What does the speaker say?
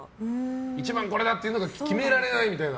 一番これだというのが決められないみたいな。